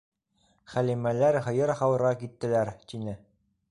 Хәлимәләр һыйыр һауырға киттеләр, — тине.